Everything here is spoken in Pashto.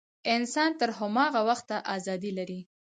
انسان تر هماغه وخته ازادي لري.